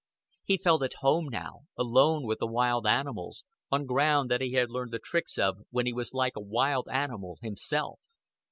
He felt at home now, alone with the wild animals, on ground that he had learned the tricks of when he was like a wild animal himself.